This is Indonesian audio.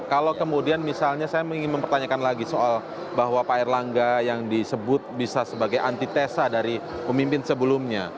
kalau kemudian misalnya saya ingin mempertanyakan lagi soal bahwa pak erlangga yang disebut bisa sebagai antitesa dari pemimpin sebelumnya